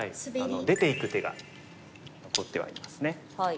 出ていく手が残ってはいますね。